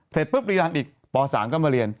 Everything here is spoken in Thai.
เสร็จปุ๊บเรียนอีกป๓ก็มาเรียน